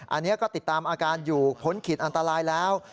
อันนี้ก็ติดตามอาการอยู่พ้นขีดอันตรายแล้ว